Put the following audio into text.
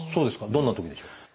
どんなときでしょう？